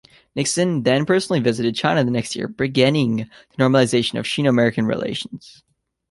Nixon then personally visited China the next year, beginning the normalization of Sino-American relations.